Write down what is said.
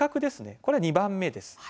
これは２番目ですね。